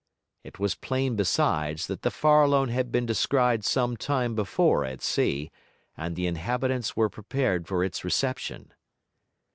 It was plain, besides, that the Farallone had been descried some time before at sea, and the inhabitants were prepared for its reception.